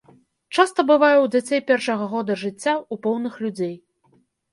Часта бывае ў дзяцей першага года жыцця, у поўных людзей.